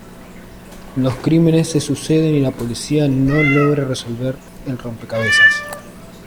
Los crímenes se suceden y la policía no logra resolver el rompecabezas.